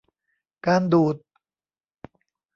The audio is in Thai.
การดูด